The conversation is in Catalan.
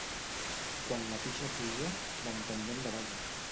Quan la pixa puja, l'enteniment davalla.